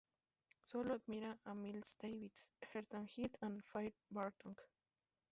Sola admira a Miles Davis, Earth Wind and Fire, Bartok.